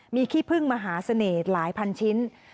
มีขี้พึ่งมหาเสน่ห์หลายพันชิ้น